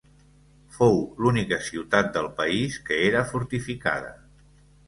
Fou l'única ciutat del país que era fortificada.